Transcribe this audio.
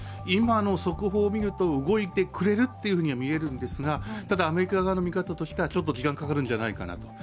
今の速報を見ると動いてくれるというふうに見えるんですがただアメリカ側の見方としてはちょっと時間がかかるんじゃないかなと。